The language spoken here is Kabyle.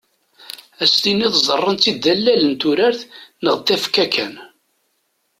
Ad as-tiniḍ ẓẓaren-tt-id d allal n turart neɣ d tafekka kan.